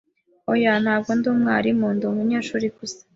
Oya, ntabwo ndi umwarimu. Ndi umunyeshuri gusa.